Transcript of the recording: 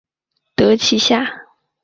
得其下